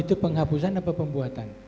itu penghapusan apa pembuatan